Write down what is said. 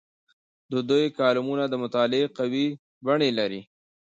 د دوی کالمونه د مطالعې قوي بڼې لري.